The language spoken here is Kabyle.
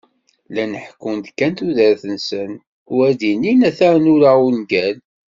Llan ḥekkun-d kan tudert-nsen, u ad d-inin ata nura ungal.